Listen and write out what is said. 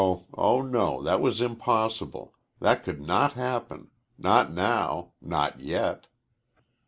No, oh, no, that was impossible that could not happen not now not yet.